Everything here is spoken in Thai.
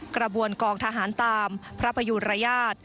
กระบวนกองทหารตามพระพยุรยาท